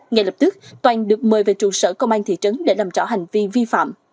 ngay lập tức toàn được mời về trụ sở công an thị trấn để làm rõ hành vi vi phạm